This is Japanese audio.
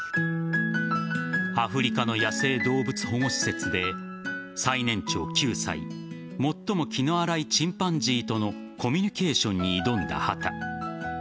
アフリカの野生動物保護施設で最年長９歳最も気の荒いチンパンジーとのコミュニケーションに挑んだ畑。